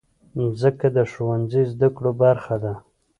مځکه د ښوونځي زدهکړو برخه ده.